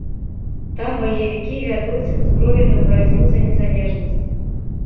Там баевікі вядуць узброеную барацьбу за незалежнасць.